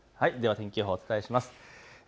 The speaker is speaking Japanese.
天気予報お伝えします。